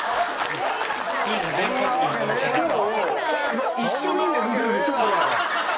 しかも。